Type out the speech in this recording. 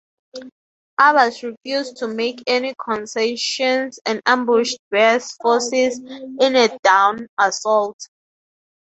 Abas refused to make any concessions and ambushed Ber's forces in a dawn assault.